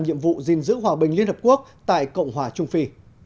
nhiệm vụ gìn giữ hòa bình liên hợp quốc tại cộng hòa trung phi